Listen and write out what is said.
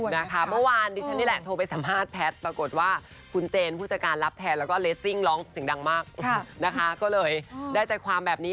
ได้ใจความแบบนี้นะครับ